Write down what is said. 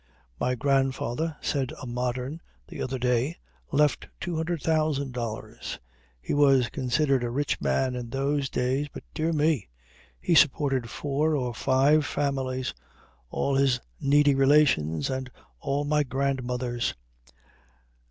"My grandfather," said a modern the other day, "left $200,000. He was considered a rich man in those days; but, dear me! he supported four or five families all his needy relations and all my grandmother's."